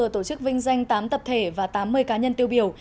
tỉnh hậu giang vừa tổ chức vinh danh tám tập thể và tám mươi cá nhân tiêu biểu